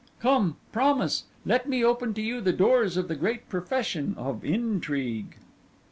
Come, promise: let me open to you the doors of the great profession of intrigue.